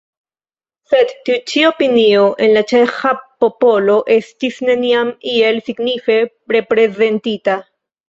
Sed tiu ĉi opinio en la ĉeĥa popolo estis neniam iel signife reprezentita.